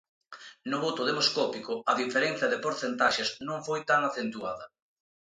No voto demoscópico, a diferenza de porcentaxes non foi tan acentuada.